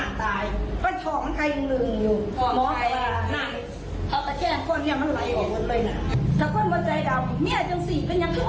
นั่งเถากันอย่างเสียค่ะแม่จ้างหนู